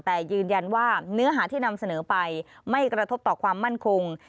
แต่ยืนยันว่าเนื้อหาที่นำเสนอไปไม่กระทบต่อความมั่นคง